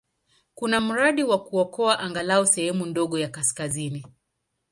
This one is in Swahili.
Kuna mradi wa kuokoa angalau sehemu ndogo ya kaskazini.